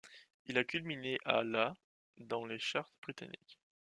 Il a culminé à la dans les chartes britanniques.